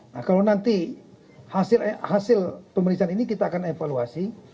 nah kalau nanti hasil pemeriksaan ini kita akan evaluasi